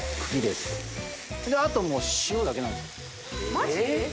マジ？